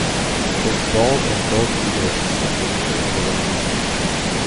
Both bald and golden eagles spend the winter on the refuge.